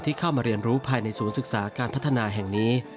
เข้ามาเรียนรู้ภายในศูนย์ศึกษาการพัฒนาแห่งนี้